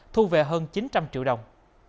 thu về hơn chín trăm linh triệu đồng